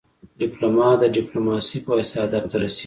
ډيپلومات د ډيپلوماسي پواسطه هدف ته رسیږي.